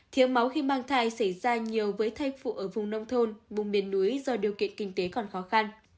thiếu máu khi mang thai xảy ra nhiều với thai phụ ở vùng nông thôn vùng miền núi do điều kiện kinh tế còn khó khăn